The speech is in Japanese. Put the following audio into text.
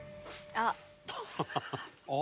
「あっ！」